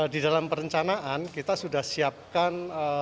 di dalam perencanaan kita sudah siapkan